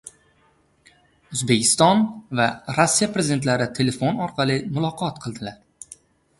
O‘zbekiston va Rossiya Prezidentlari telefon orqali muloqot qildilar